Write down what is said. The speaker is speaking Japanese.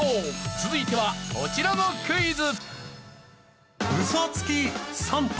続いてはこちらのクイズ。